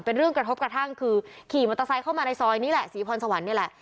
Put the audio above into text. เป็นเรื่องกระทบกระทั่งคือขี่มอเตอร์ไซค์เข้ามาในซอยนี้แหละศรีพรสวรรค์นี่แหละ